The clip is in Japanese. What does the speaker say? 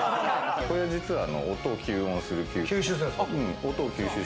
これ実は音を吸音する。